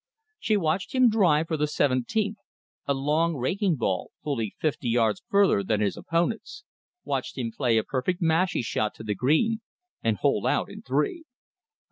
She watched him drive for the seventeenth a long, raking ball, fully fifty yards further than his opponent's watched him play a perfect mashie shot to the green and hole out in three.